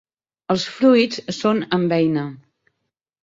Els fruits són en beina.